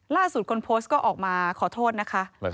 ล่าสุดคนโพสต์ก็ออกมาขอโทษนะคะ